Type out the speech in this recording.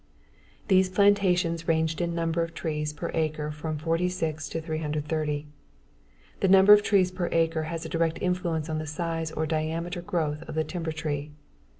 These plantations ranged in number of trees per acre from 46 to 330. The number of trees per acre has a direct influence on the size or diameter growth of the timber tree.